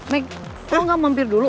meg kok gak mampir dulu